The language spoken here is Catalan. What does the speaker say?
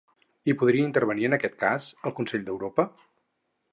Hi podria intervenir, en aquest cas, el Consell d'Europa?